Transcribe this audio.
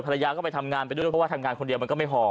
ภรรยาก็ไปทำงานไปด้วยเพราะว่าทำงานคนเดียวมันก็ไม่พอ